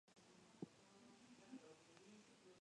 La única parte no canalizada es el tramo aguas arriba de Niort.